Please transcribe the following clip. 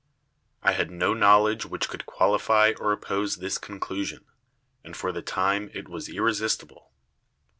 I had no knowledge which could qualify or oppose this conclusion, and for the time it was irresistible.